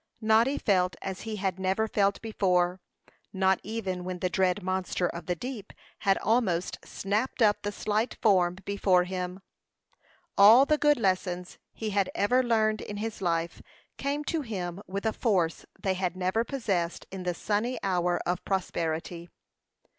Noddy felt as he had never felt before, not even when the dread monster of the deep had almost snapped up the slight form before him. All the good lessons he had ever learned in his life came to him with a force they had never possessed in the sunny hour of prosperity.